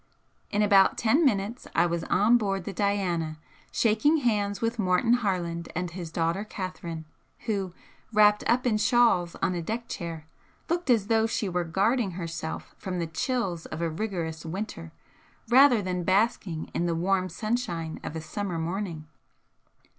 In about ten minutes I was on board the 'Diana,' shaking hands with Morton Harland and his daughter Catherine, who, wrapped up in shawls on a deck chair, looked as though she were guarding herself from the chills of a rigorous winter rather than basking in the warm sunshine of a summer morning.